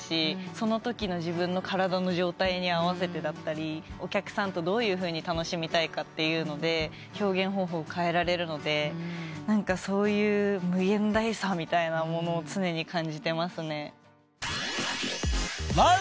そのときの自分の体の状態に合わせてだったりお客さんとどういうふうに楽しみたいかっていうので表現方法を変えられるのでそういう無限大さみたいなものを常に感じてますね。